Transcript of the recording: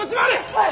はい！